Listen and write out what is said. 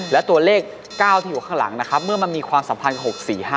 และตัวเลข๙ที่อยู่ข้างหลังนะครับเมื่อมันมีความสัมพันธ์๖๔๕